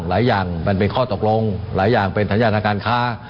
หลายอย่างมันเป็นข้อตกลงหลายอย่างเป็นสัญญาณการค้า